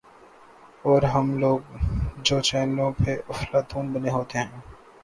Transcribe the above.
اورہم لوگ جو چینلوں پہ افلاطون بنے ہوتے ہیں۔